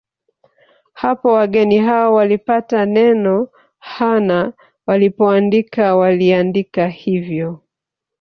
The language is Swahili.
Hapo wageni hao walipata neno Ha na walipoandika waliaandika hivyo